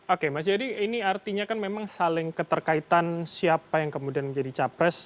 oke mas jayadi ini artinya kan memang saling keterkaitan siapa yang kemudian menjadi capres